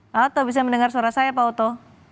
pak oto bisa mendengar suara saya pak oto